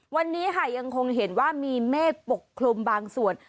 วันนี้ค่ะยังคงเห็นว่ามีเมฆปกคลุมบางส่วน